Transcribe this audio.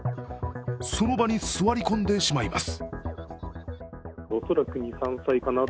その場に座り込んでしまいます。